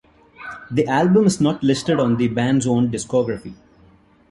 The album is not listed on the band's own discography.